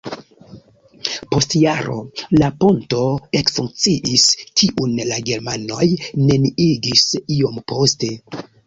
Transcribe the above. Post jaro la ponto ekfunkciis, kiun la germanoj neniigis iom poste.